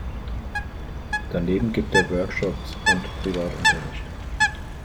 Daneben gibt er Workshops und Privatunterricht.